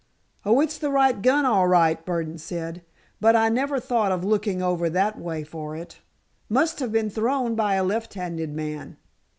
"Oh, it's the right gun, all right," Burdon said, "but I never thought of looking over that way for it. Must have been thrown by a left handed man."